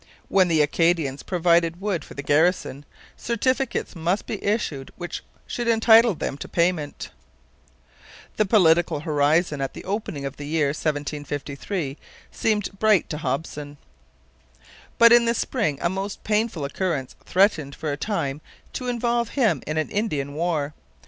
When the Acadians provided wood for the garrison, certificates must be issued which should entitle them to payment. The political horizon at the opening of the year 1753 seemed bright to Hopson. But in the spring a most painful occurrence threatened for a time to involve him in an Indian war.